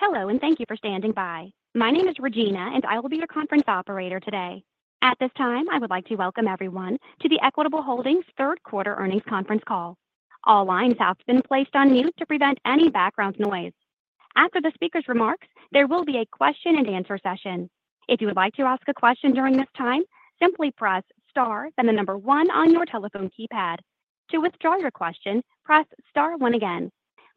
Hello, and thank you for standing by. My name is Regina, and I will be your conference operator today. At this time, I would like to welcome everyone to the Equitable Holdings Third Quarter Earnings Conference Call. All lines have been placed on mute to prevent any background noise. After the speaker's remarks, there will be a question-and-answer session. If you would like to ask a question during this time, simply press star, then the number one on your telephone keypad. To withdraw your question, press star one again.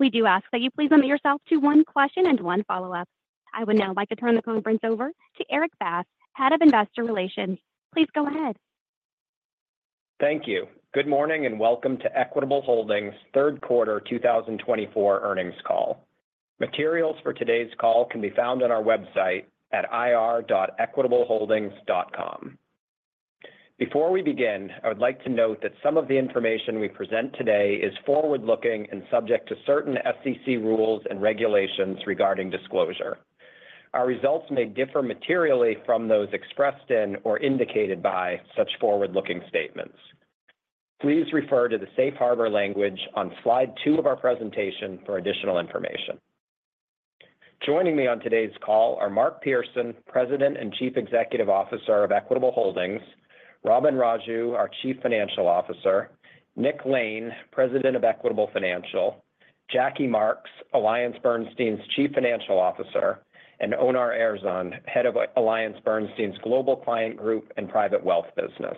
We do ask that you please limit yourself to one question and one follow-up. I would now like to turn the conference over to Erik Bass, Head of Investor Relations. Please go ahead. Thank you. Good morning and welcome to Equitable Holdings third-quarter 2024 earnings call. Materials for today's call can be found on our website at ir.equitableholdings.com. Before we begin, I would like to note that some of the information we present today is forward-looking and subject to certain SEC rules and regulations regarding disclosure. Our results may differ materially from those expressed in or indicated by such forward-looking statements. Please refer to the safe harbor language on slide two of our presentation for additional information. Joining me on today's call are Mark Pearson, President and Chief Executive Officer of Equitable Holdings, Robin Raju, our Chief Financial Officer, Nick Lane, President of Equitable Financial, Jackie Marks, AllianceBernstein's Chief Financial Officer, and Onur Erzan, Head of AllianceBernstein's Global Client Group and Private Wealth Business.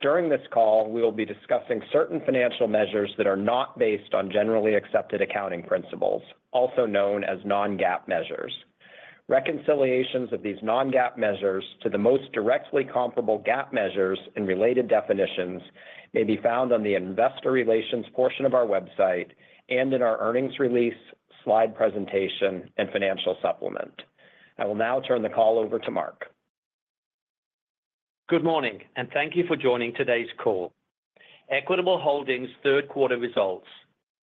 During this call, we will be discussing certain financial measures that are not based on generally accepted accounting principles, also known as non-GAAP measures. Reconciliations of these non-GAAP measures to the most directly comparable GAAP measures in related definitions may be found on the Investor Relations portion of our website and in our earnings release, slide presentation, and financial supplement. I will now turn the call over to Mark. Good morning, and thank you for joining today's call. Equitable Holdings' third-quarter results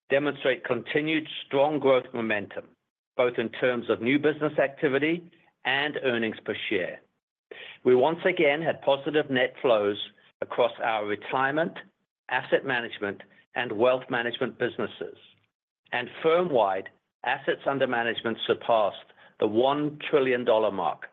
demonstrate continued strong growth momentum, both in terms of new business activity and earnings per share. We once again had positive net flows across our retirement, asset management, and wealth management businesses, and firm-wide, assets under management surpassed the $1 trillion mark.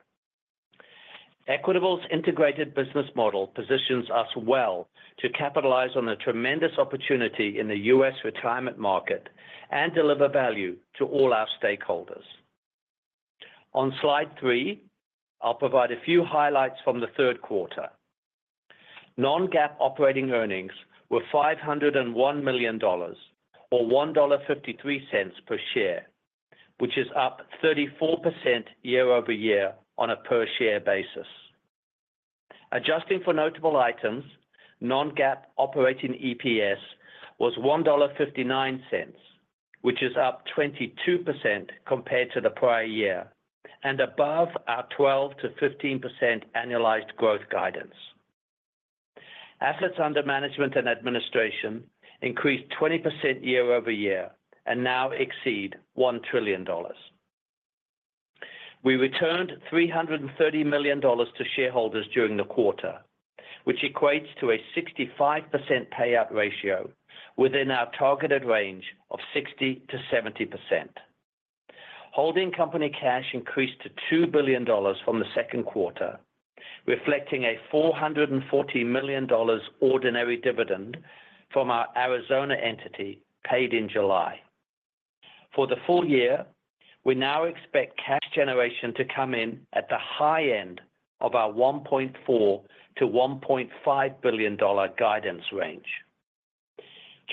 Equitable's integrated business model positions us well to capitalize on the tremendous opportunity in the U.S. retirement market and deliver value to all our stakeholders. On slide three, I'll provide a few highlights from the third quarter. Non-GAAP operating earnings were $501 million, or $1.53 per share, which is up 34% year-over-year on a per-share basis. Adjusting for notable items, non-GAAP operating EPS was $1.59, which is up 22% compared to the prior year, and above our 12%-15% annualized growth guidance. Assets under management and administration increased 20% year-over-year and now exceed $1 trillion. We returned $330 million to shareholders during the quarter, which equates to a 65% payout ratio within our targeted range of 60%-70%. Holding company cash increased to $2 billion from the second quarter, reflecting a $440 million ordinary dividend from our Arizona entity paid in July. For the full year, we now expect cash generation to come in at the high end of our $1.4-$1.5 billion guidance range.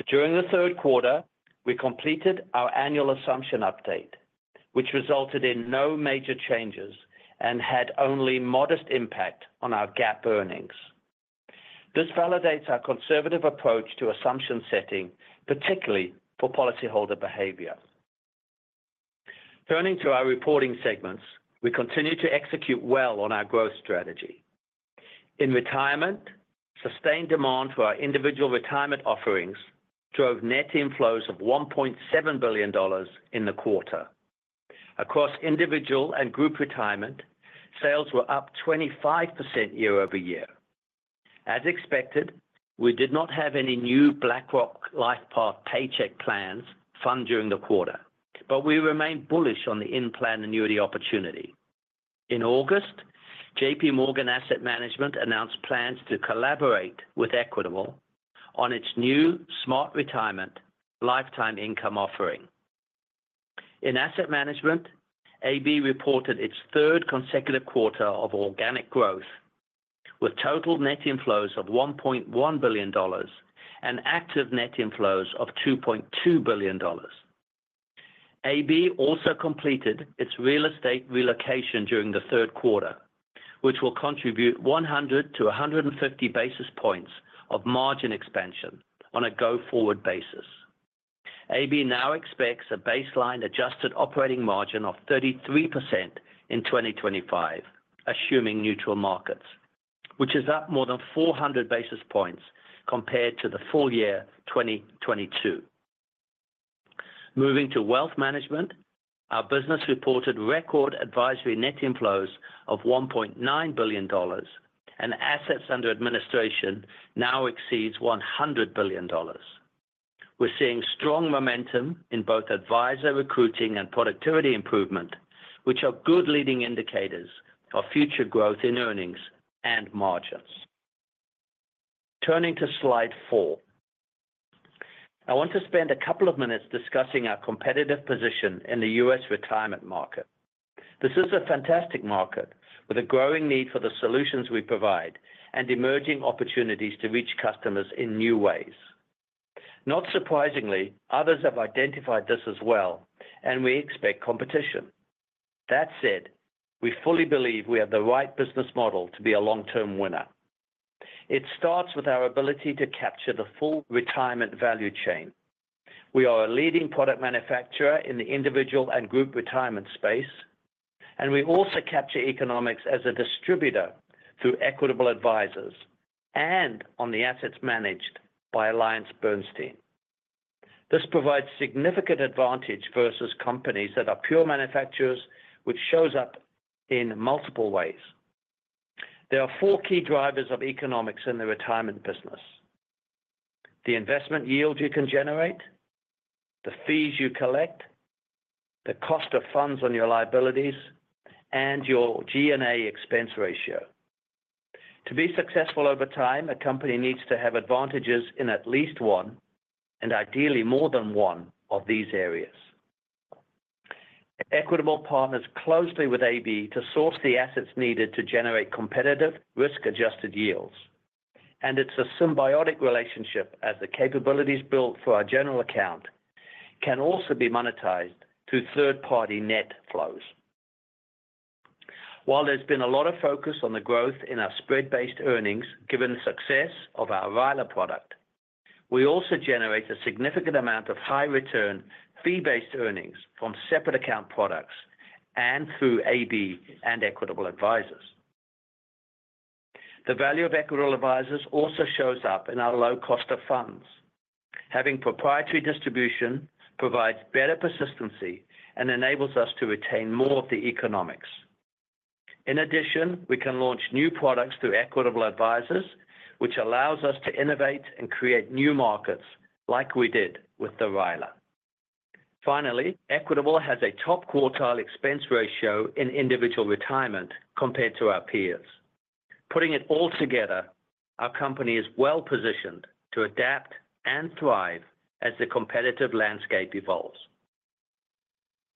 During the third quarter, we completed our annual assumption update, which resulted in no major changes and had only modest impact on our GAAP earnings. This validates our conservative approach to assumption setting, particularly for policyholder behavior. Turning to our reporting segments, we continue to execute well on our growth strategy. In retirement, sustained demand for our Individual Retirement offerings drove net inflows of $1.7 billion in the quarter. Across individual and group retirement, sales were up 25% year-over-year. As expected, we did not have any new BlackRock LifePath Paycheck plans fund during the quarter, but we remained bullish on the in-plan annuity opportunity. In August, JPMorgan Asset Management announced plans to collaborate with Equitable on its new SmartRetirement Lifetime Income offering. In Asset Management, AB reported its third consecutive quarter of organic growth, with total net inflows of $1.1 billion and active net inflows of $2.2 billion. AB also completed its real estate relocation during the third quarter, which will contribute 100 to 150 basis points of margin expansion on a go-forward basis. AB now expects a baseline adjusted operating margin of 33% in 2025, assuming neutral markets, which is up more than 400 basis points compared to the full year 2022. Moving to wealth management, our business reported record advisory net inflows of $1.9 billion, and assets under administration now exceeds $100 billion. We're seeing strong momentum in both advisor recruiting and productivity improvement, which are good leading indicators of future growth in earnings and margins. Turning to slide four, I want to spend a couple of minutes discussing our competitive position in the U.S. retirement market. This is a fantastic market with a growing need for the solutions we provide and emerging opportunities to reach customers in new ways. Not surprisingly, others have identified this as well, and we expect competition. That said, we fully believe we have the right business model to be a long-term winner. It starts with our ability to capture the full retirement value chain. We are a leading product manufacturer in the individual and group retirement space, and we also capture economics as a distributor through Equitable Advisors and on the assets managed by AllianceBernstein. This provides significant advantage versus companies that are pure manufacturers, which shows up in multiple ways. There are four key drivers of economics in the retirement business: the investment yield you can generate, the fees you collect, the cost of funds on your liabilities, and your G&A expense ratio. To be successful over time, a company needs to have advantages in at least one, and ideally more than one, of these areas. Equitable partners closely with AB to source the assets needed to generate competitive, risk-adjusted yields, and it's a symbiotic relationship as the capabilities built for our general account can also be monetized through third-party net flows. While there's been a lot of focus on the growth in our spread-based earnings given the success of our RILA product, we also generate a significant amount of high-return, fee-based earnings from separate account products and through AB and Equitable Advisors. The value of Equitable Advisors also shows up in our low cost of funds. Having proprietary distribution provides better persistency and enables us to retain more of the economics. In addition, we can launch new products through Equitable Advisors, which allows us to innovate and create new markets like we did with the RILA. Finally, Equitable has a top quartile expense ratio in Individual Retirement compared to our peers. Putting it all together, our company is well-positioned to adapt and thrive as the competitive landscape evolves.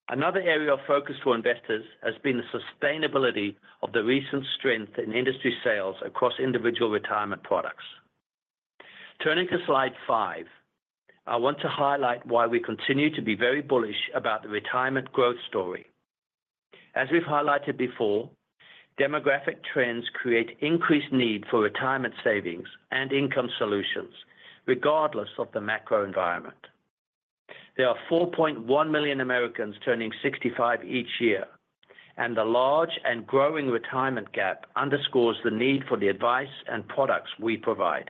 Another area of focus for investors has been the sustainability of the recent strength in industry sales across Individual Retirement products. Turning to slide five, I want to highlight why we continue to be very bullish about the retirement growth story. As we've highlighted before, demographic trends create increased need for retirement savings and income solutions regardless of the macro environment. There are 4.1 million Americans turning 65 each year, and the large and growing retirement gap underscores the need for the advice and products we provide.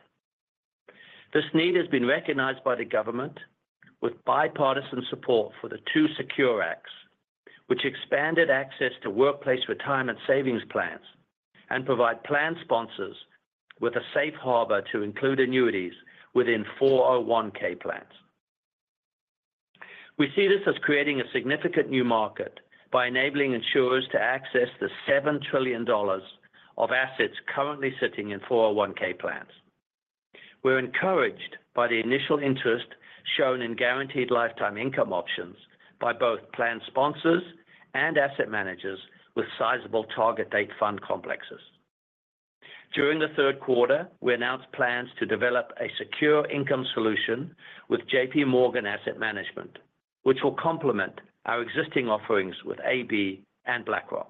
This need has been recognized by the government with bipartisan support for the two SECURE Acts, which expanded access to workplace retirement savings plans and provide plan sponsors with a safe harbor to include annuities within 401(k) plans. We see this as creating a significant new market by enabling insurers to access the $7 trillion of assets currently sitting in 401(k) plans. We're encouraged by the initial interest shown in guaranteed lifetime income options by both plan sponsors and asset managers with sizable target date fund complexes. During the third quarter, we announced plans to develop a secure income solution with J.P. Morgan Asset Management, which will complement our existing offerings with AB and BlackRock.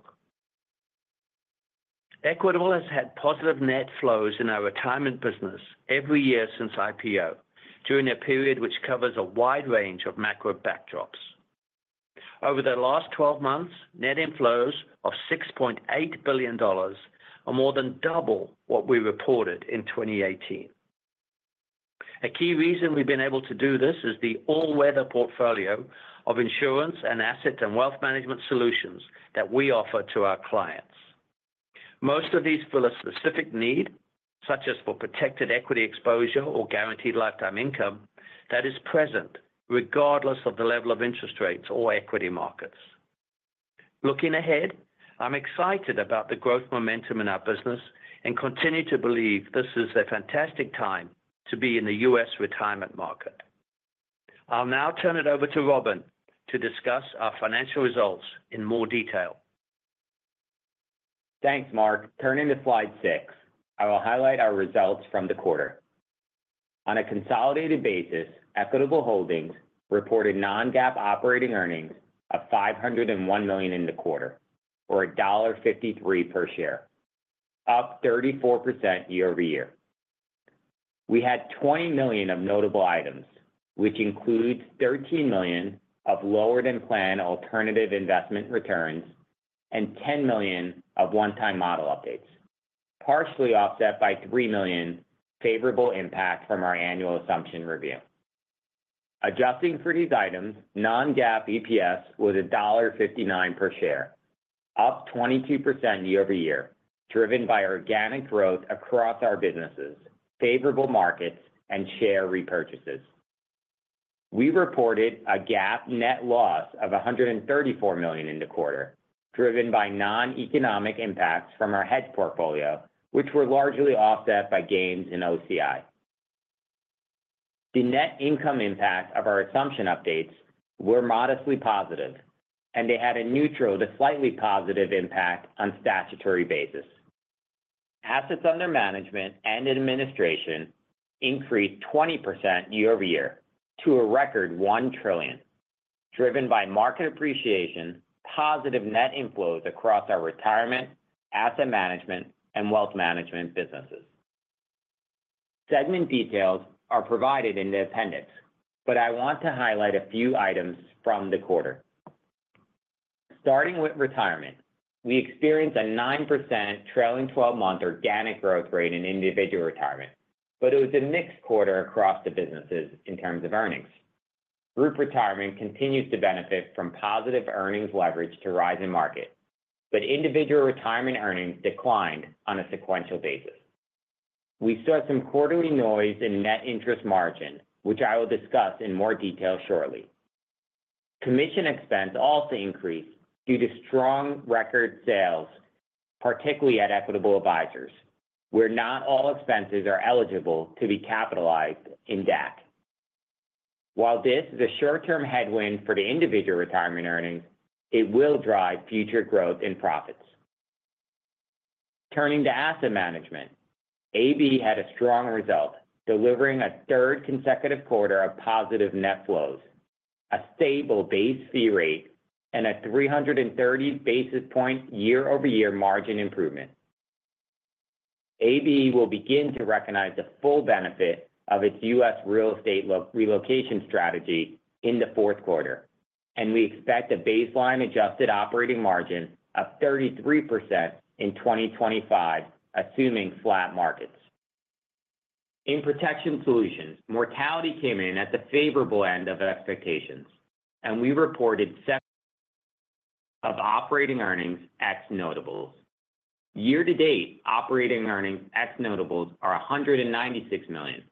Equitable has had positive net flows in our retirement business every year since IPO during a period which covers a wide range of macro backdrops. Over the last 12 months, net inflows of $6.8 billion are more than double what we reported in 2018. A key reason we've been able to do this is the all-weather portfolio of insurance and asset and wealth management solutions that we offer to our clients. Most of these fill a specific need, such as for protected equity exposure or guaranteed lifetime income that is present regardless of the level of interest rates or equity markets. Looking ahead, I'm excited about the growth momentum in our business and continue to believe this is a fantastic time to be in the U.S. retirement market. I'll now turn it over to Robin to discuss our financial results in more detail. Thanks, Mark. Turning to slide six, I will highlight our results from the quarter. On a consolidated basis, Equitable Holdings reported non-GAAP operating earnings of $501 million in the quarter, or $1.53 per share, up 34% year-over-year. We had $20 million of notable items, which includes $13 million of lower-than-plan alternative investment returns and $10 million of one-time model updates, partially offset by $3 million favorable impact from our annual assumption review. Adjusting for these items, non-GAAP EPS was $1.59 per share, up 22% year-over-year, driven by organic growth across our businesses, favorable markets, and share repurchases. We reported a GAAP net loss of $134 million in the quarter, driven by non-economic impacts from our hedge portfolio, which were largely offset by gains in OCI. The net income impact of our assumption updates were modestly positive, and they had a neutral to slightly positive impact on a statutory basis. Assets under management and administration increased 20% year-over-year to a record $1 trillion, driven by market appreciation, positive net inflows across our retirement, asset management, and wealth management businesses. Segment details are provided in the appendix, but I want to highlight a few items from the quarter. Starting with retirement, we experienced a 9% trailing 12-month organic growth rate in Individual Retirement, but it was a mixed quarter across the businesses in terms of earnings. Group retirement continues to benefit from positive earnings leverage to rise in market, but Individual Retirement earnings declined on a sequential basis. We saw some quarterly noise in net interest margin, which I will discuss in more detail shortly. Commission expense also increased due to strong record sales, particularly at Equitable Advisors, where not all expenses are eligible to be capitalized in DAC. While this is a short-term headwind for the Individual Retirement earnings, it will drive future growth in profits. Turning to asset management, AB had a strong result, delivering a third consecutive quarter of positive net flows, a stable base fee rate, and a 330 basis points year-over-year margin improvement. AB will begin to recognize the full benefit of its U.S. real estate relocation strategy in the fourth quarter, and we expect a baseline adjusted operating margin of 33% in 2025, assuming flat markets. In protection solutions, mortality came in at the favorable end of expectations, and we reported 107% of operating earnings ex-notables. Year-to-date, operating earnings ex-notables are $196 million.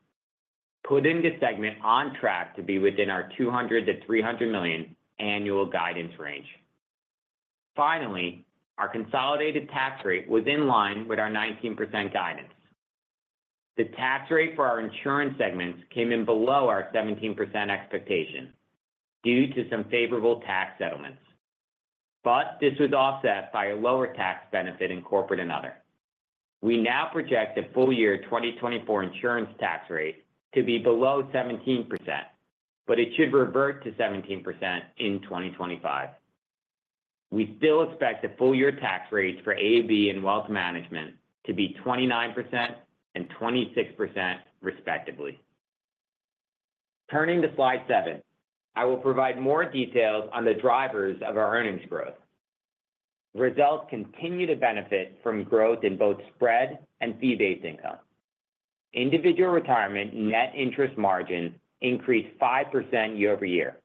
The Protection Solutions segment is on track to be within our $200-$300 million annual guidance range. Finally, our consolidated tax rate was in line with our 19% guidance. The tax rate for our insurance segments came in below our 17% expectation due to some favorable tax settlements, but this was offset by a lower tax benefit in corporate and other. We now project a full year 2024 insurance tax rate to be below 17%, but it should revert to 17% in 2025. We still expect the full year tax rates for AB and wealth management to be 29% and 26%, respectively. Turning to slide seven, I will provide more details on the drivers of our earnings growth. Results continue to benefit from growth in both spread and fee-based income. Individual retirement net interest margins increased 5% year-over-year,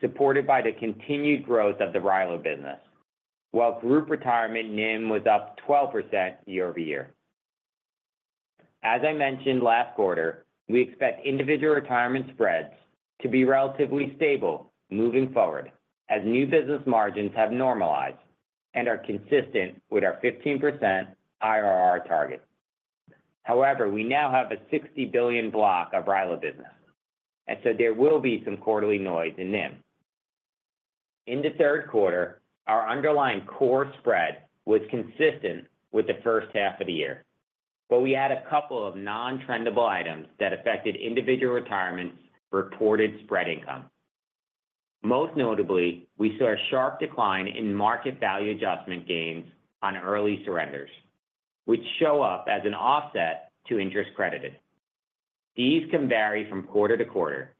supported by the continued growth of the RILA business, while group retirement NIM was up 12% year-over-year. As I mentioned last quarter, we expect Individual Retirement spreads to be relatively stable moving forward as new business margins have normalized and are consistent with our 15% IRR target. However, we now have a $60 billion block of RILA business, and so there will be some quarterly noise in NIM. In the third quarter, our underlying core spread was consistent with the first half of the year, but we had a couple of non-trendable items that affected Individual Retirements' reported spread income. Most notably, we saw a sharp decline in market value adjustment gains on early surrenders, which show up as an offset to interest credited. These can vary from quarter to quarter,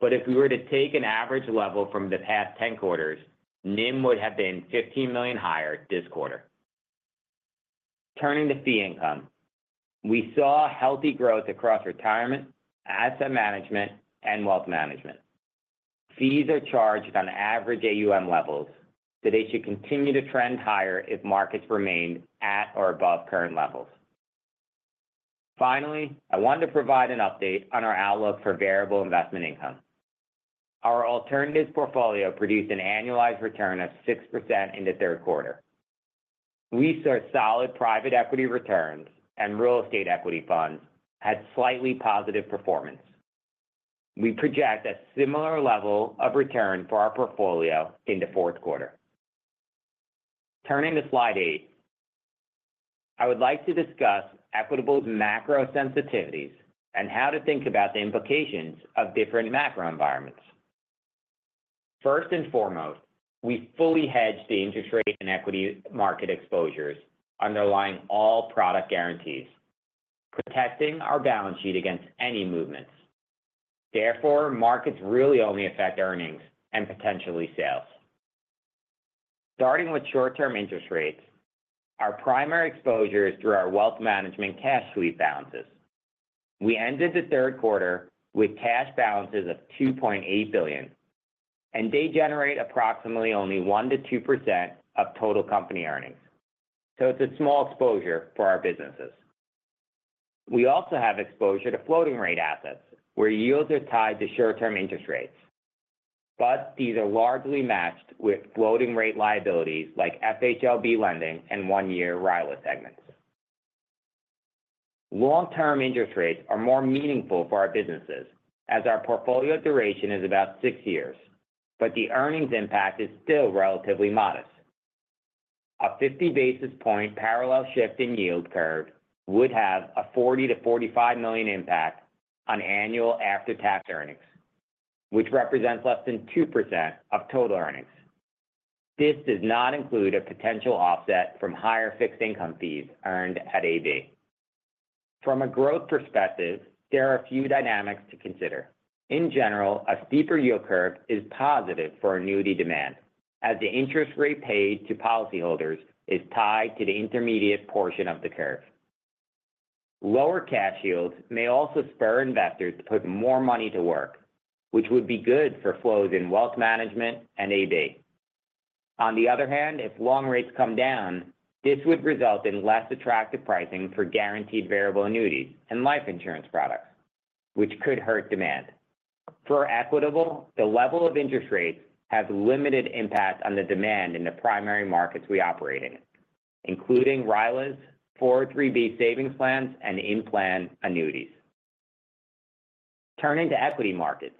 but if we were to take an average level from the past 10 quarters, NIM would have been $15 million higher this quarter. Turning to fee income, we saw healthy growth across retirement, asset management, and wealth management. Fees are charged on average AUM levels, so they should continue to trend higher if markets remained at or above current levels. Finally, I wanted to provide an update on our outlook for variable investment income. Our alternative portfolio produced an annualized return of 6% in the third quarter. We saw solid private equity returns and real estate equity funds had slightly positive performance. We project a similar level of return for our portfolio in the fourth quarter. Turning to slide eight, I would like to discuss Equitable's macro sensitivities and how to think about the implications of different macro environments. First and foremost, we fully hedge the interest rate and equity market exposures underlying all product guarantees, protecting our balance sheet against any movements. Therefore, markets really only affect earnings and potentially sales. Starting with short-term interest rates, our primary exposure is through our wealth management cash sweep balances. We ended the third quarter with cash balances of $2.8 billion, and they generate approximately only 1%-2% of total company earnings, so it's a small exposure for our businesses. We also have exposure to floating rate assets where yields are tied to short-term interest rates, but these are largely matched with floating rate liabilities like FHLB lending and one-year RILA segments. Long-term interest rates are more meaningful for our businesses as our portfolio duration is about six years, but the earnings impact is still relatively modest. A 50 basis point parallel shift in yield curve would have a $40-$45 million impact on annual after-tax earnings, which represents less than 2% of total earnings. This does not include a potential offset from higher fixed income fees earned at AB. From a growth perspective, there are a few dynamics to consider. In general, a steeper yield curve is positive for annuity demand as the interest rate paid to policyholders is tied to the intermediate portion of the curve. Lower cash yields may also spur investors to put more money to work, which would be good for flows in wealth management and AB. On the other hand, if long rates come down, this would result in less attractive pricing for guaranteed variable annuities and life insurance products, which could hurt demand. For Equitable, the level of interest rates has limited impact on the demand in the primary markets we operate in, including RILAs, 403(b) savings plans, and in-plan annuities. Turning to equity markets,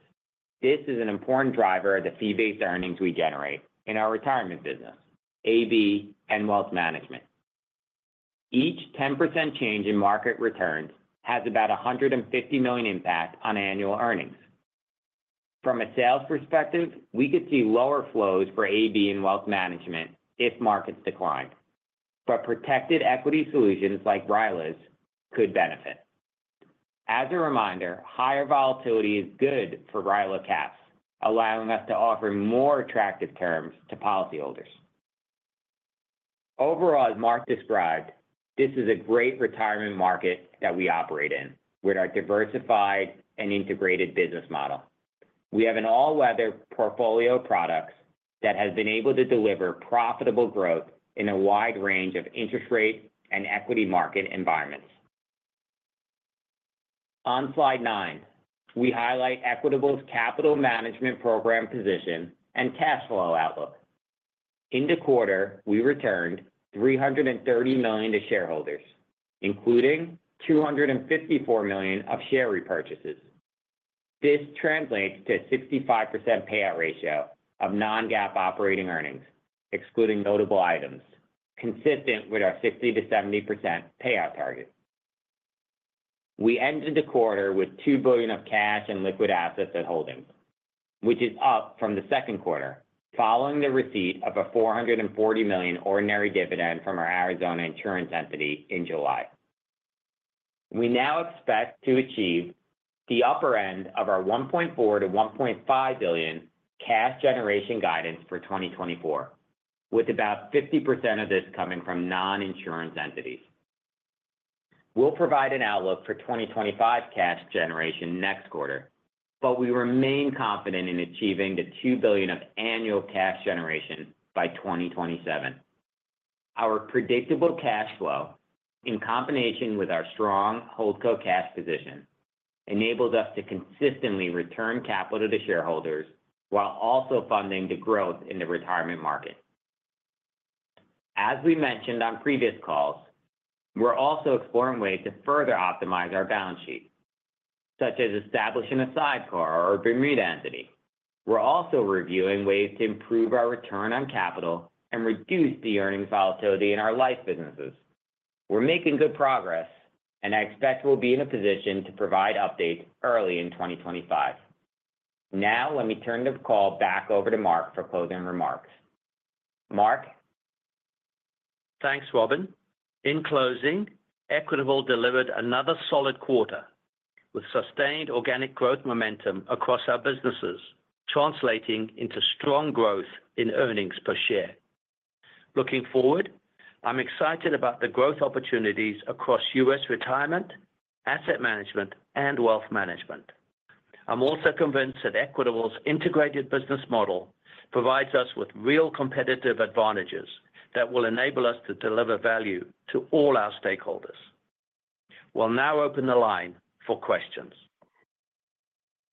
this is an important driver of the fee-based earnings we generate in our retirement business, AB and wealth management. Each 10% change in market returns has about $150 million impact on annual earnings. From a sales perspective, we could see lower flows for AB and wealth management if markets declined, but protected equity solutions like RILAs could benefit. As a reminder, higher volatility is good for RILA caps, allowing us to offer more attractive terms to policyholders. Overall, as Mark described, this is a great retirement market that we operate in with our diversified and integrated business model. We have an all-weather portfolio of products that has been able to deliver profitable growth in a wide range of interest rate and equity market environments. On slide nine, we highlight Equitable's capital management program position and cash flow outlook. In the quarter, we returned $330 million to shareholders, including $254 million of share repurchases. This translates to a 65% payout ratio of non-GAAP operating earnings, excluding notable items, consistent with our 60%-70% payout target. We ended the quarter with $2 billion of cash and liquid assets at Holdings, which is up from the second quarter, following the receipt of a $440 million ordinary dividend from our Arizona insurance entity in July. We now expect to achieve the upper end of our $1.4-$1.5 billion cash generation guidance for 2024, with about 50% of this coming from non-insurance entities. We'll provide an outlook for 2025 cash generation next quarter, but we remain confident in achieving the $2 billion of annual cash generation by 2027. Our predictable cash flow, in combination with our strong Holdco cash position, enables us to consistently return capital to shareholders while also funding the growth in the retirement market. As we mentioned on previous calls, we're also exploring ways to further optimize our balance sheet, such as establishing a sidecar or a Bermuda entity. We're also reviewing ways to improve our return on capital and reduce the earnings volatility in our life businesses. We're making good progress, and I expect we'll be in a position to provide updates early in 2025. Now, let me turn the call back over to Mark for closing remarks. Mark. Thanks, Robin. In closing, Equitable delivered another solid quarter with sustained organic growth momentum across our businesses, translating into strong growth in earnings per share. Looking forward, I'm excited about the growth opportunities across U.S. retirement, asset management, and wealth management. I'm also convinced that Equitable's integrated business model provides us with real competitive advantages that will enable us to deliver value to all our stakeholders. We'll now open the line for questions.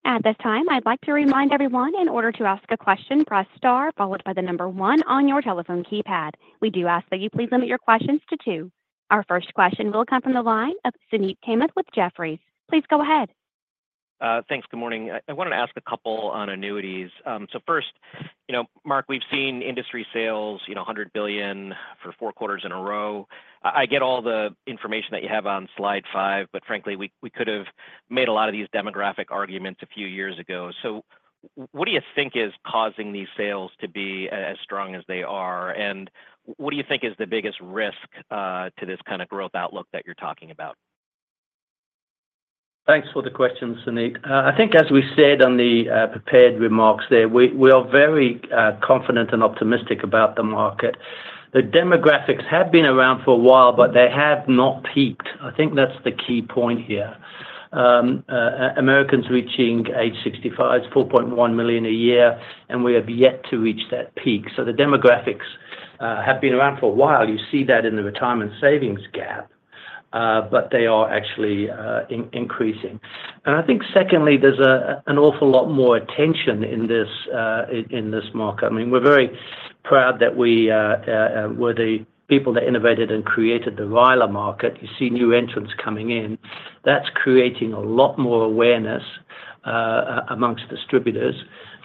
At this time, I'd like to remind everyone, in order to ask a question, press star followed by the number one on your telephone keypad. We do ask that you please limit your questions to two. Our first question will come from the line of Suneet Kamath with Jefferies. Please go ahead. Thanks. Good morning. I wanted to ask a couple on annuities. So first, you know, Mark, we've seen industry sales, you know, $100 billion for four quarters in a row. I get all the information that you have on slide five, but frankly, we could have made a lot of these demographic arguments a few years ago. So what do you think is causing these sales to be as strong as they are? And what do you think is the biggest risk to this kind of growth outlook that you're talking about? Thanks for the question, Suneet. I think, as we said on the prepared remarks there, we are very confident and optimistic about the market. The demographics have been around for a while, but they have not peaked. I think that's the key point here. Americans reaching age 65, it's $4.1 million a year, and we have yet to reach that peak. So the demographics have been around for a while. You see that in the retirement savings gap, but they are actually increasing. And I think, secondly, there's an awful lot more attention in this market. I mean, we're very proud that we were the people that innovated and created the RILA market. You see new entrants coming in. That's creating a lot more awareness among distributors.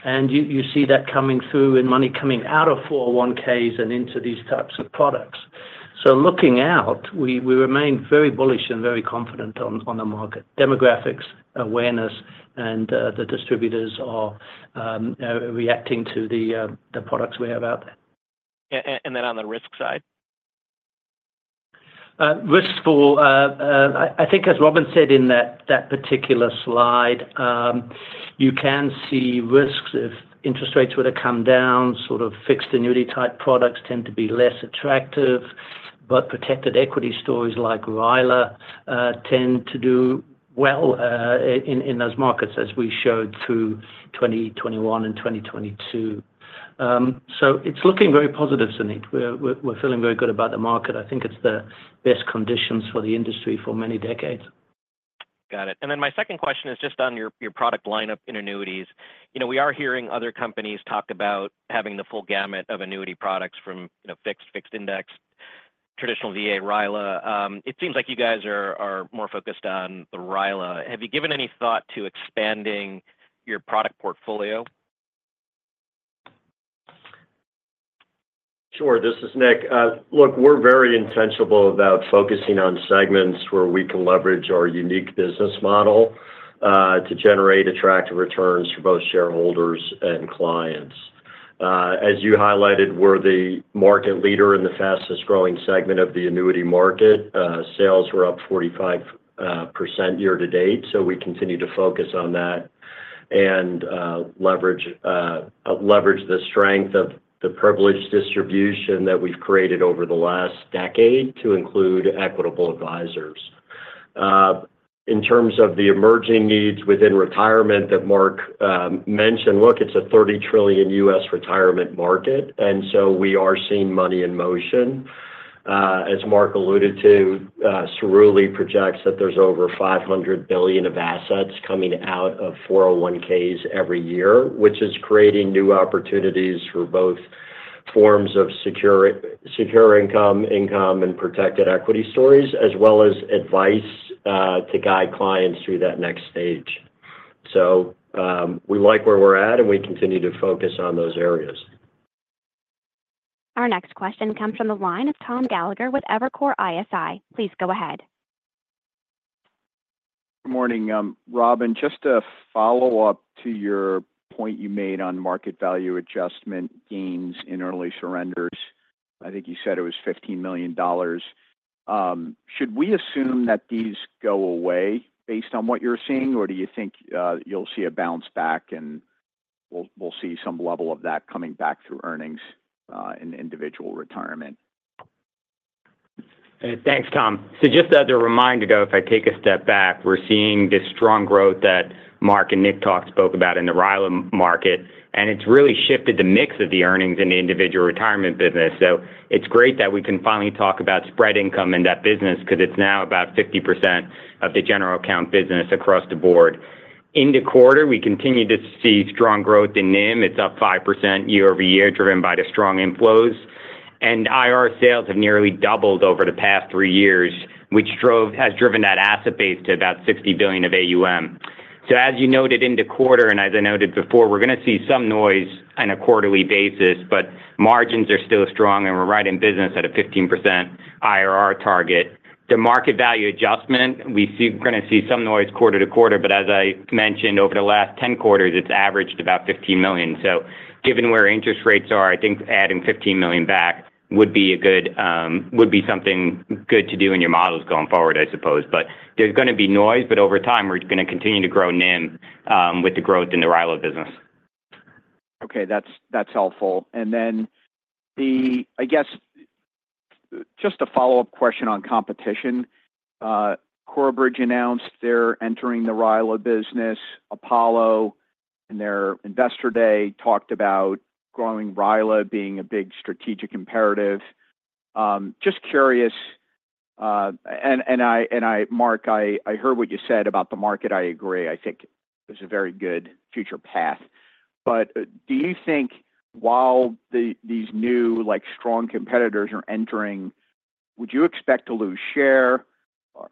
And you see that coming through in money coming out of 401(k)s and into these types of products. So looking out, we remain very bullish and very confident on the market. Demographics, awareness, and the distributors are reacting to the products we have out there. And then on the risk side? Risk for, I think, as Robin said in that particular slide, you can see risks if interest rates were to come down. Sort of fixed annuity type products tend to be less attractive, but protected equity stories like RILA tend to do well in those markets, as we showed through 2021 and 2022. So it's looking very positive, Suneet. We're feeling very good about the market. I think it's the best conditions for the industry for many decades. Got it. And then my second question is just on your product lineup in annuities. You know, we are hearing other companies talk about having the full gamut of annuity products from fixed, fixed index, traditional VA, RILA. It seems like you guys are more focused on the RILA. Have you given any thought to expanding your product portfolio? Sure. This is Nick. Look, we're very intentional about focusing on segments where we can leverage our unique business model to generate attractive returns for both shareholders and clients. As you highlighted, we're the market leader in the fastest growing segment of the annuity market. Sales were up 45% year to date, so we continue to focus on that and leverage the strength of the privileged distribution that we've created over the last decade to include Equitable Advisors. In terms of the emerging needs within retirement that Mark mentioned, look, it's a $30 trillion U.S. retirement market, and so we are seeing money in motion. As Mark alluded to, Cerulli projects that there's over $500 billion of assets coming out of 401(k)s every year, which is creating new opportunities for both forms of secure income, income, and protected equity stories, as well as advice to guide clients through that next stage. So we like where we're at, and we continue to focus on those areas. Our next question comes from the line of Tom Gallagher with Evercore ISI. Please go ahead. Good morning. Robin, just a follow-up to your point you made on market value adjustment gains in early surrenders. I think you said it was $15 million. Should we assume that these go away based on what you're seeing, or do you think you'll see a bounce back and we'll see some level of that coming back through earnings in Individual Retirement? Thanks, Tom. So just as a reminder, though, if I take a step back, we're seeing this strong growth that Mark and Nick talked about in the RILA market, and it's really shifted the mix of the earnings in the Individual Retirement business. So it's great that we can finally talk about spread income in that business because it's now about 50% of the general account business across the board. In the quarter, we continue to see strong growth in NIM. It's up 5% year-over-year, driven by the strong inflows. And IR sales have nearly doubled over the past three years, which has driven that asset base to about $60 billion of AUM. So, as you noted in the quarter, and as I noted before, we're going to see some noise on a quarterly basis, but margins are still strong, and we're right in business at a 15% IRR target. The market value adjustment, we're going to see some noise quarter to quarter, but as I mentioned, over the last 10 quarters, it's averaged about $15 million. So, given where interest rates are, I think adding $15 million back would be something good to do in your models going forward, I suppose. But there's going to be noise, but over time, we're going to continue to grow NIM with the growth in the RILA business. Okay. That's helpful. And then the, I guess, just a follow-up question on competition. Corebridge announced they're entering the RILA business. Apollo, in their investor day, talked about growing RILA being a big strategic imperative. Just curious, and I, Mark, I heard what you said about the market, I agree. I think it's a very good future path. But do you think, while these new, like, strong competitors are entering, would you expect to lose share?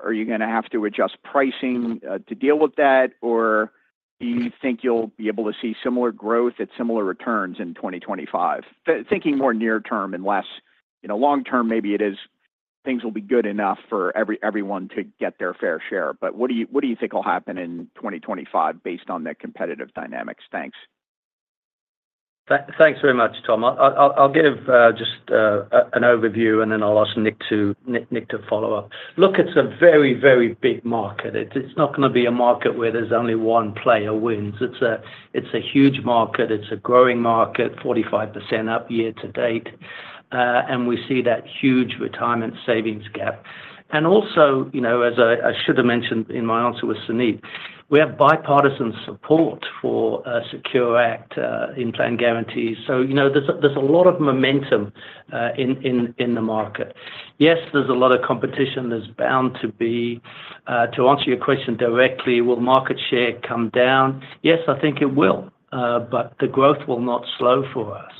Are you going to have to adjust pricing to deal with that, or do you think you'll be able to see similar growth at similar returns in 2025? Thinking more near-term and less, you know, long-term, maybe it is things will be good enough for everyone to get their fair share. But what do you think will happen in 2025 based on that competitive dynamics? Thanks. Thanks very much, Tom. I'll give just an overview, and then I'll ask Nick to follow up. Look, it's a very, very big market. It's not going to be a market where there's only one player wins. It's a huge market. It's a growing market, 45% up year to date. And we see that huge retirement savings gap. And also, you know, as I should have mentioned in my answer with Suneet, we have bipartisan support for SECURE Act in plan guarantees. So, you know, there's a lot of momentum in the market. Yes, there's a lot of competition. There's bound to be. To answer your question directly, will market share come down? Yes, I think it will, but the growth will not slow for us.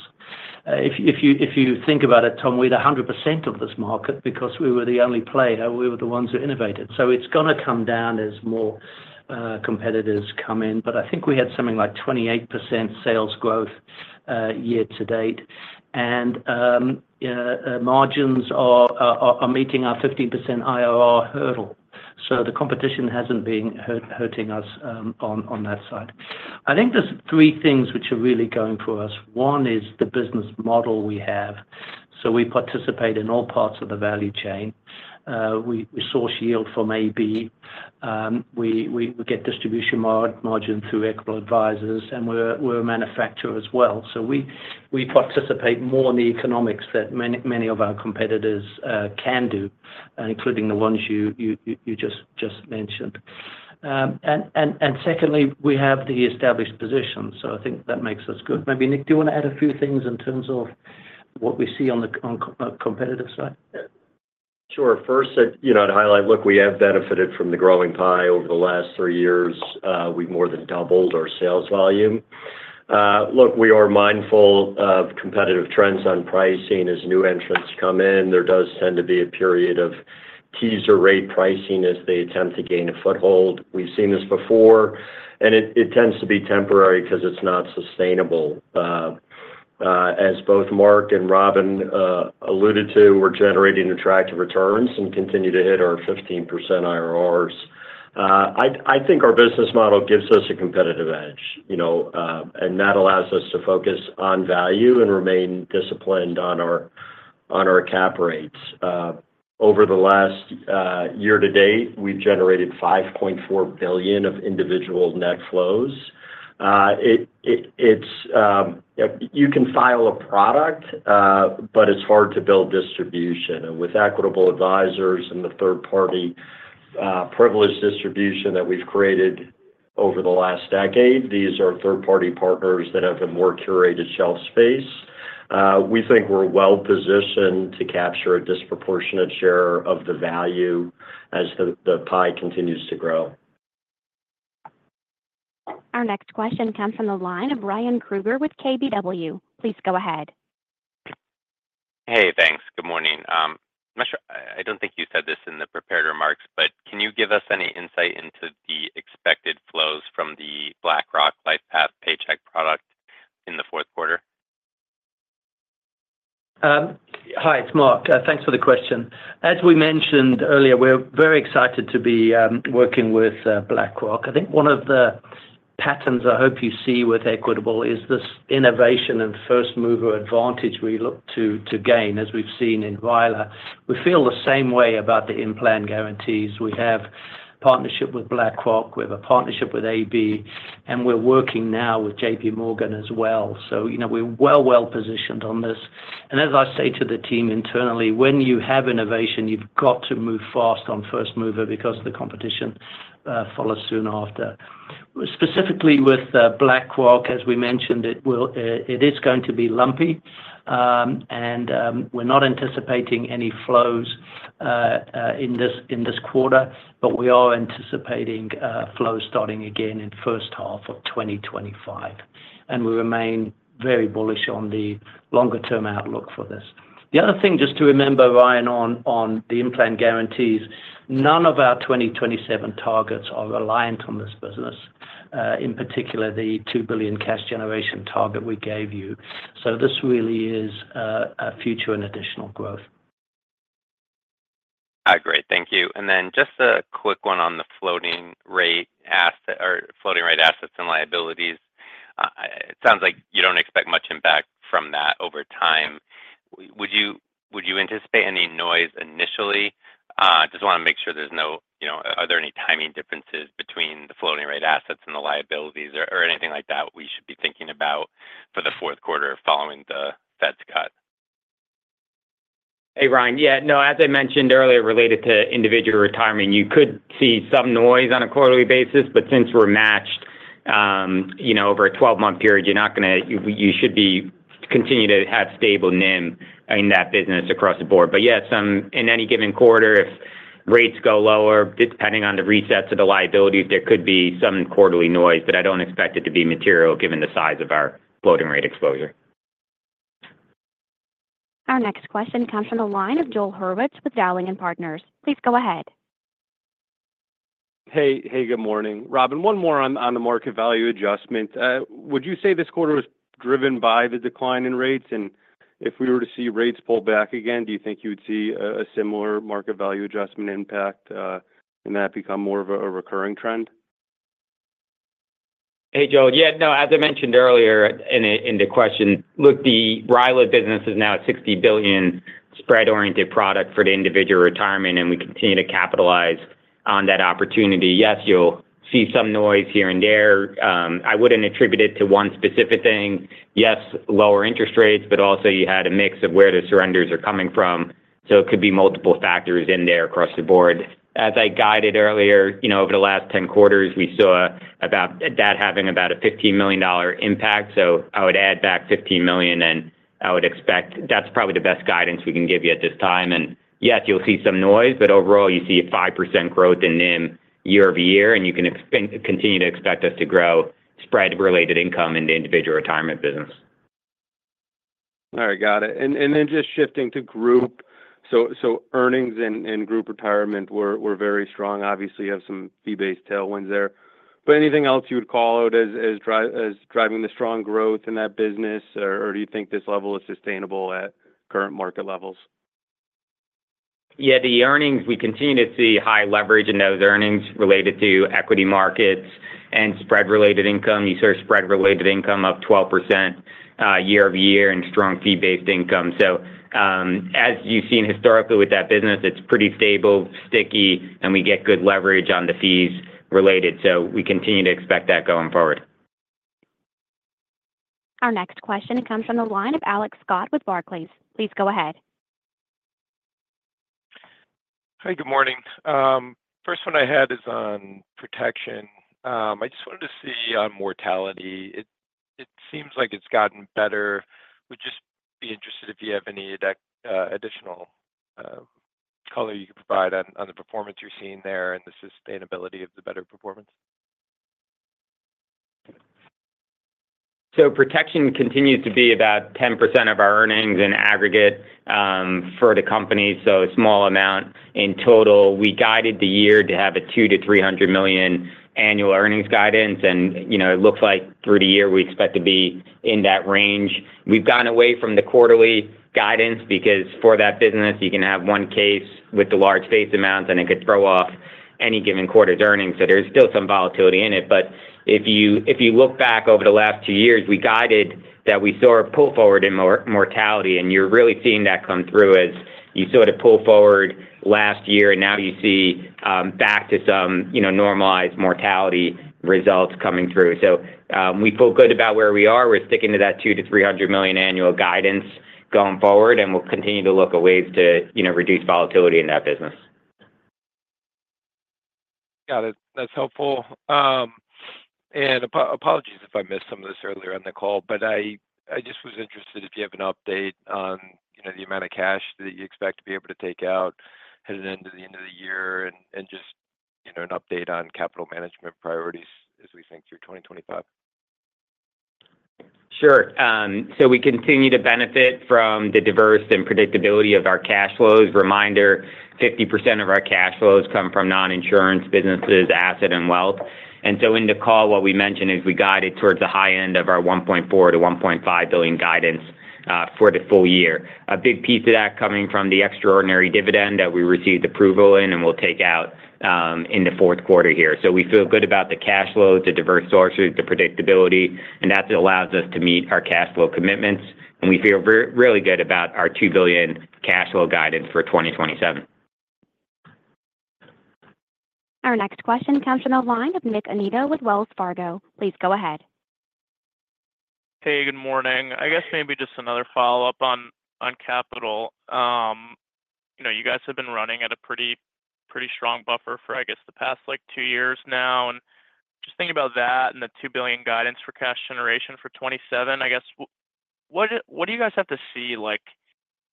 If you think about it, Tom, we had 100% of this market because we were the only player. We were the ones who innovated. So it's going to come down as more competitors come in. But I think we had something like 28% sales growth year to date. And margins are meeting our 15% IRR hurdle. So the competition hasn't been hurting us on that side. I think there's three things which are really going for us. One is the business model we have. So we participate in all parts of the value chain. We source yield from AB. We get distribution margin through Equitable Advisors, and we're a manufacturer as well. So we participate more in the economics that many of our competitors can do, including the ones you just mentioned. And secondly, we have the established position. So I think that makes us good. Maybe, Nick, do you want to add a few things in terms of what we see on the competitive side? Sure. First, you know, to highlight, look, we have benefited from the growing pie over the last three years. We've more than doubled our sales volume. Look, we are mindful of competitive trends on pricing as new entrants come in. There does tend to be a period of teaser rate pricing as they attempt to gain a foothold. We've seen this before, and it tends to be temporary because it's not sustainable. As both Mark and Robin alluded to, we're generating attractive returns and continue to hit our 15% IRRs. I think our business model gives us a competitive edge, you know, and that allows us to focus on value and remain disciplined on our cap rates. Over the last year to date, we've generated $5.4 billion of individual net flows. You can file a product, but it's hard to build distribution, and with Equitable Advisors and the third-party privileged distribution that we've created over the last decade, these are third-party partners that have a more curated shelf space. We think we're well-positioned to capture a disproportionate share of the value as the pie continues to grow. Our next question comes from the line of Ryan Krueger with KBW. Please go ahead. Hey, thanks. Good morning. I'm not sure. I don't think you said this in the prepared remarks, but can you give us any insight into the expected flows from the BlackRock LifePath Paycheck product in the fourth quarter? Hi, it's Mark. Thanks for the question. As we mentioned earlier, we're very excited to be working with BlackRock. I think one of the patterns I hope you see with Equitable is this innovation and first-mover advantage we look to gain as we've seen in RILA. We feel the same way about the in-plan guarantees. We have partnership with BlackRock. We have a partnership with AB, and we're working now with J.P. Morgan as well. So, you know, we're well, well-positioned on this, and as I say to the team internally, when you have innovation, you've got to move fast on first-mover because the competition follows soon after. Specifically with BlackRock, as we mentioned, it is going to be lumpy, and we're not anticipating any flows in this quarter, but we are anticipating flows starting again in the first half of 2025. And we remain very bullish on the longer-term outlook for this. The other thing, just to remember, Ryan, on the in-plan guarantees, none of our 2027 targets are reliant on this business, in particular the $2 billion cash generation target we gave you. So this really is a future and additional growth. I agree. Thank you. And then just a quick one on the floating rate assets and liabilities. It sounds like you don't expect much impact from that over time. Would you anticipate any noise initially? I just want to make sure there's no, you know, are there any timing differences between the floating rate assets and the liabilities or anything like that we should be thinking about for the fourth quarter following the Fed's cut? Hey, Ryan. Yeah. No, as I mentioned earlier, related to Individual Retirement, you could see some noise on a quarterly basis, but since we're matched, you know, over a 12-month period, you're not going to, you should continue to have stable NIM in that business across the board. But yes, in any given quarter, if rates go lower, depending on the resets of the liabilities, there could be some quarterly noise, but I don't expect it to be material given the size of our floating rate exposure. Our next question comes from the line of Joel Hurwitz with Dowling & Partners. Please go ahead. Hey, hey, good morning. Robin, one more on the market value adjustment. Would you say this quarter was driven by the decline in rates? And if we were to see rates pull back again, do you think you would see a similar market value adjustment impact and that become more of a recurring trend? Hey, Joel. Yeah, no, as I mentioned earlier in the question, look, the RILA business is now a $60 billion spread-oriented product for the Individual Retirement, and we continue to capitalize on that opportunity. Yes, you'll see some noise here and there. I wouldn't attribute it to one specific thing. Yes, lower interest rates, but also you had a mix of where the surrenders are coming from. So it could be multiple factors in there across the board. As I guided earlier, you know, over the last 10 quarters, we saw about that having about a $15 million impact. So, I would add back $15 million, and I would expect that's probably the best guidance we can give you at this time. And yes, you'll see some noise, but overall, you see a 5% growth in NIM year-over-year, and you can continue to expect us to grow spread-related income in the Individual Retirement business. All right, got it, and then just shifting to group. Earnings and group retirement were very strong. Obviously, you have some fee-based tailwinds there. But anything else you would call out as driving the strong growth in that business, or do you think this level is sustainable at current market levels? Yeah, the earnings, we continue to see high leverage in those earnings related to equity markets and spread-related income. You see our spread-related income of 12% year-over-year, and strong fee-based income. So as you've seen historically with that business, it's pretty stable, sticky, and we get good leverage on the fees related. So we continue to expect that going forward. Our next question comes from the line of Alex Scott with Barclays. Please go ahead. Hey, good morning. First one I had is on protection. I just wanted to see on mortality. It seems like it's gotten better. Would just be interested if you have any additional color you could provide on the performance you're seeing there and the sustainability of the better performance. So protection continues to be about 10% of our earnings in aggregate for the company, so a small amount in total. We guided the year to have a $200 million-$300 million annual earnings guidance, and, you know, it looks like through the year we expect to be in that range. We've gone away from the quarterly guidance because for that business, you can have one case with the large face amounts, and it could throw off any given quarter's earnings. So there's still some volatility in it. But if you look back over the last two years, we guided that we saw a pull forward in mortality, and you're really seeing that come through as you sort of pull forward last year, and now you see back to some, you know, normalized mortality results coming through. So we feel good about where we are. We're sticking to that $200 million-$300 million annual guidance going forward, and we'll continue to look at ways to, you know, reduce volatility in that business. Got it. That's helpful. Apologies if I missed some of this earlier on the call, but I just was interested if you have an update on, you know, the amount of cash that you expect to be able to take out heading into the end of the year and just, you know, an update on capital management priorities as we think through 2025. Sure. We continue to benefit from the diverse and predictability of our cash flows. Reminder, 50% of our cash flows come from non-insurance businesses, asset, and wealth. So in the call, what we mentioned is we guided towards the high end of our $1.4 billion-$1.5 billion guidance for the full year. A big piece of that coming from the extraordinary dividend that we received approval in and will take out in the fourth quarter here. So we feel good about the cash flows, the diverse sources, the predictability, and that allows us to meet our cash flow commitments. And we feel really good about our $2 billion cash flow guidance for 2027. Our next question comes from the line of Nick Annitto with Wells Fargo. Please go ahead. Hey, good morning. I guess maybe just another follow-up on capital. You know, you guys have been running at a pretty strong buffer for, I guess, the past, like, two years now. And just thinking about that and the $2 billion guidance for cash generation for 2027, I guess, what do you guys have to see, like,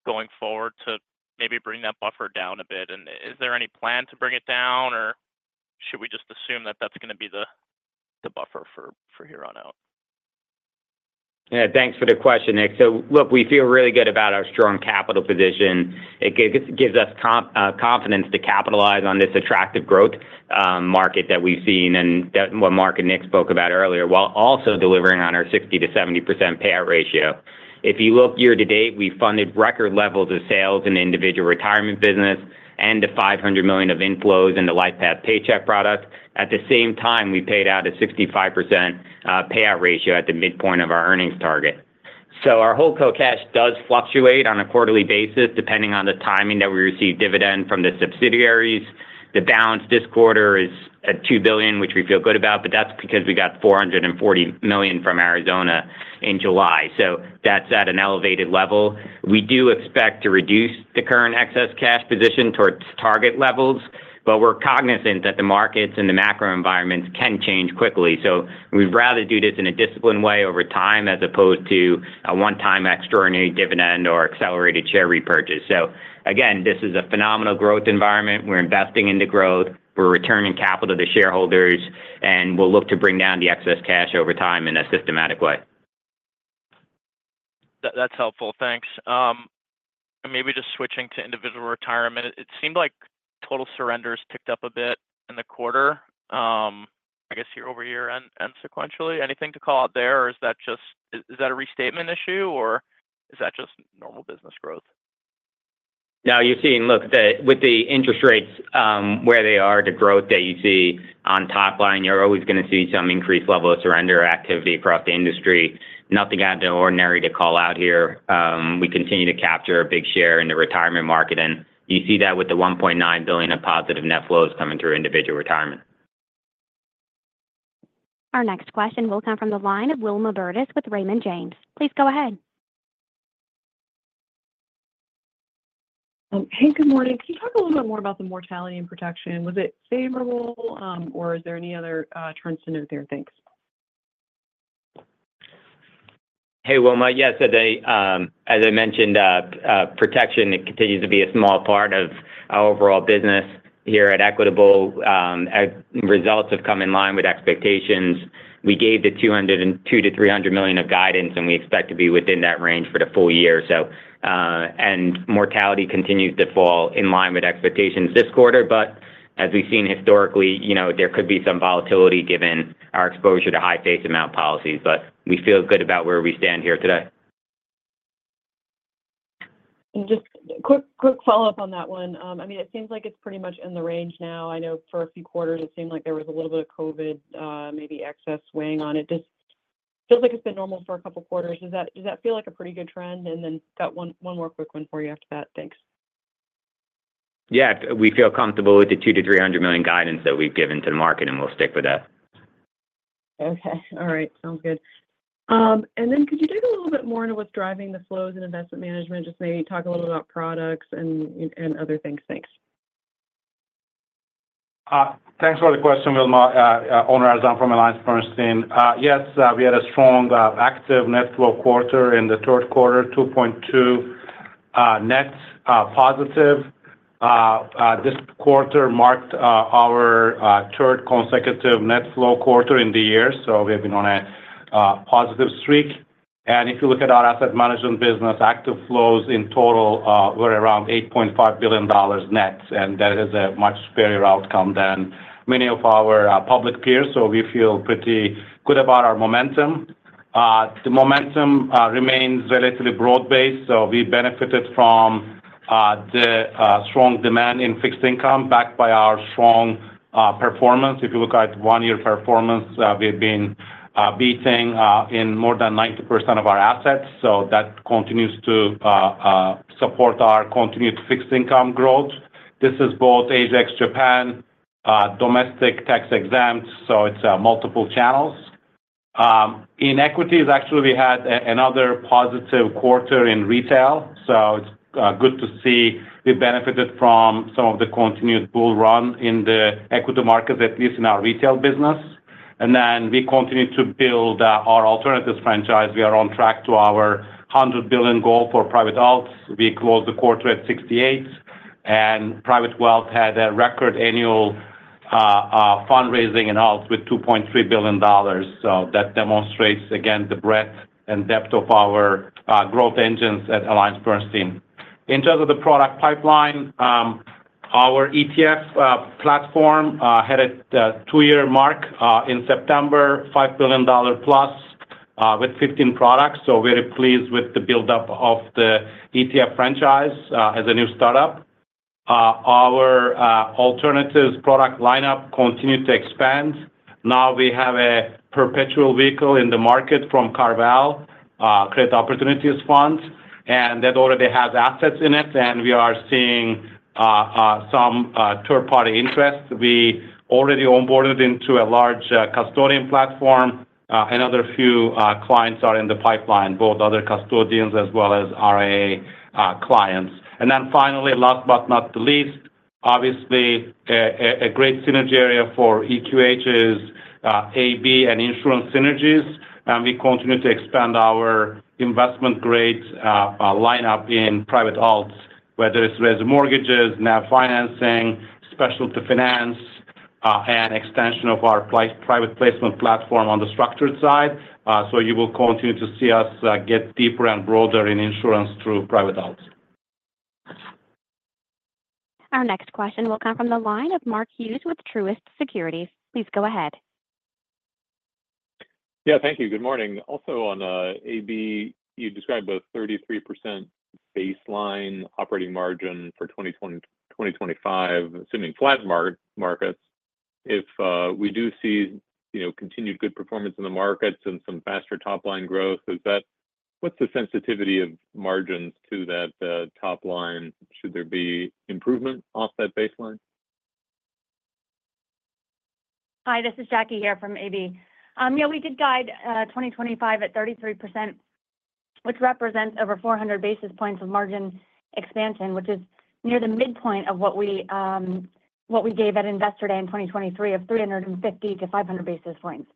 going forward to maybe bring that buffer down a bit? And is there any plan to bring it down, or should we just assume that that's going to be the buffer for here on out? Yeah, thanks for the question, Nick. So, look, we feel really good about our strong capital position. It gives us confidence to capitalize on this attractive growth market that we've seen and what Mark and Nick spoke about earlier while also delivering on our 60%-70% payout ratio. If you look year to date, we funded record levels of sales in the Individual Retirement business and the $500 million of inflows in the LifePath Paycheck product. At the same time, we paid out a 65% payout ratio at the midpoint of our earnings target. So our holding company cash does fluctuate on a quarterly basis depending on the timing that we receive dividend from the subsidiaries. The balance this quarter is at $2 billion, which we feel good about, but that's because we got $440 million from Arizona in July. So that's at an elevated level. We do expect to reduce the current excess cash position towards target levels, but we're cognizant that the markets and the macro environments can change quickly. So we'd rather do this in a disciplined way over time as opposed to a one-time extraordinary dividend or accelerated share repurchase. So, again, this is a phenomenal growth environment. We're investing into growth. We're returning capital to the shareholders, and we'll look to bring down the excess cash over time in a systematic way. That's helpful. Thanks. And maybe just switching to Individual Retirement, it seemed like total surrenders ticked up a bit in the quarter, I guess, year-over-year and sequentially. Anything to call out there, or is that just, is that a restatement issue, or is that just normal business growth? No, you're seeing, look, with the interest rates, where they are to growth that you see on top line, you're always going to see some increased level of surrender activity across the industry. Nothing out of the ordinary to call out here. We continue to capture a big share in the retirement market, and you see that with the $1.9 billion of positive net flows coming through Individual Retirement. Our next question will come from the line of Wilma Burdis with Raymond James. Please go ahead. Hey, good morning. Can you talk a little bit more about the mortality and protection? Was it favorable, or is there any other trends to note there? Thanks. Hey, Wilma, yes, as I mentioned, protection continues to be a small part of our overall business here at Equitable. Results have come in line with expectations. We gave the $200 million-$300 million of guidance, and we expect to be within that range for the full year, so, and mortality continues to fall in line with expectations this quarter, but as we've seen historically, you know, there could be some volatility given our exposure to high face amount policies, but we feel good about where we stand here today. Just quick follow-up on that one. I mean, it seems like it's pretty much in the range now. I know for a few quarters, it seemed like there was a little bit of COVID, maybe excess weighing on it. Just feels like it's been normal for a couple of quarters. Does that feel like a pretty good trend? And then got one more quick one for you after that. Thanks. Yeah, we feel comfortable with the $200 million-$300 million guidance that we've given to the market, and we'll stick with that. Okay. All right. Sounds good. And then could you dig a little bit more into what's driving the flows in investment management? Just maybe talk a little about products and other things. Thanks. Thanks for the question, Wilma. Onur Erzan from AllianceBernstein. Yes, we had a strong, active net flow quarter in the third quarter, $2.2 billion net positive. This quarter marked our third consecutive net flow quarter in the year, so we have been on a positive streak. And if you look at our asset management business, active flows in total were around $8.5 billion net, and that is a much better outcome than many of our public peers. So we feel pretty good about our momentum. The momentum remains relatively broad-based, so we benefited from the strong demand in fixed income backed by our strong performance. If you look at one-year performance, we've been beating in more than 90% of our assets, so that continues to support our continued fixed income growth. This is both Asia ex-Japan, domestic tax-exempt, so it's multiple channels. In equities, actually, we had another positive quarter in retail, so it's good to see we benefited from some of the continued bull run in the equity markets, at least in our retail business. And then we continue to build our alternative franchise. We are on track to our $100 billion goal for private alts. We closed the quarter at $68 billion, and private wealth had a record annual fundraising in alts with $2.3 billion. So that demonstrates, again, the breadth and depth of our growth engines at AllianceBernstein. In terms of the product pipeline, our ETF platform hit a two-year mark in September, $5 billion+ with 15 products, so we're pleased with the build-up of the ETF franchise as a new startup. Our alternative product lineup continued to expand. Now we have a perpetual vehicle in the market from CarVal, Credit Opportunities Fund, and that already has assets in it, and we are seeing some third-party interest. We already onboarded into a large custodian platform. Another few clients are in the pipeline, both other custodians as well as RIA clients, and then finally, last but not least, obviously, a great synergy area for EQH is AB and insurance synergies, and we continue to expand our investment-grade lineup in private alts, whether it's resi mortgages, NAV financing, specialty finance, and extension of our private placement platform on the structured side. So you will continue to see us get deeper and broader in insurance through private alts. Our next question will come from the line of Mark Hughes with Truist Securities. Please go ahead. Yeah, thank you. Good morning. Also on AB, you described a 33% baseline operating margin for 2025, assuming flat markets. If we do see, you know, continued good performance in the markets and some faster top-line growth, what's the sensitivity of margins to that top line? Should there be improvement off that baseline? Hi, this is Jackie here from AB. Yeah, we did guide 2025 at 33%, which represents over 400 basis points of margin expansion, which is near the midpoint of what we gave at Investor Day in 2023 of 350 to 500 basis points.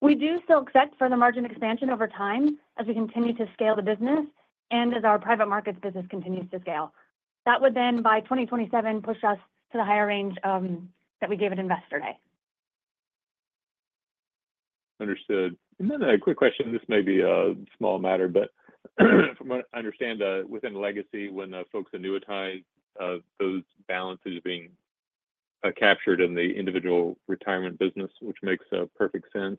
We do still expect further margin expansion over time as we continue to scale the business and as our private markets business continues to scale. That would then, by 2027, push us to the higher range that we gave at Investor Day. Understood. And then a quick question, this may be a small matter, but from what I understand within Legacy, when folks annuitize, those balances are being captured in the Individual Retirement business, which makes perfect sense.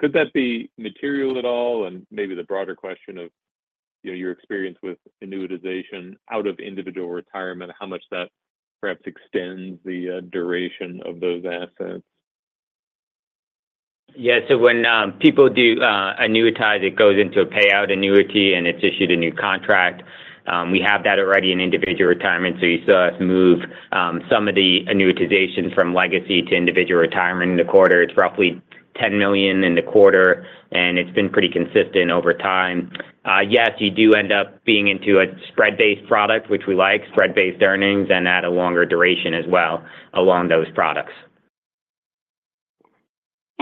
Could that be material at all? And maybe the broader question of, you know, your experience with annuitization out of Individual Retirement, how much that perhaps extends the duration of those assets? Yeah, so when people do annuitize, it goes into a payout annuity, and it's issued a new contract. We have that already in Individual Retirement, so you saw us move some of the annuitization from Legacy to Individual Retirement in the quarter. It's roughly $10 million in the quarter, and it's been pretty consistent over time. Yes, you do end up being into a spread-based product, which we like, spread-based earnings and at a longer duration as well along those products.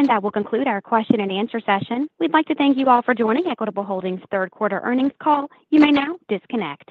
And that will conclude our question and answer session. We'd like to thank you all for joining Equitable Holdings' third quarter earnings call. You may now disconnect.